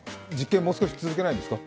もう少し続けないんですか？